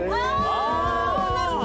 あなるほど。